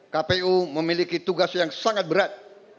kpu memiliki tugas yang sangat berat